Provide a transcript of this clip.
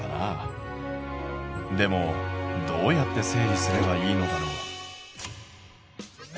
でもどうやって整理すればいいのだろう？